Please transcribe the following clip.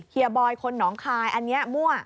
บอยคนหนองคายอันนี้มั่ว